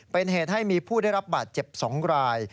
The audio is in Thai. เป็นเหตุให้มีผู้ได้รับบาดเจ็บ๒ราย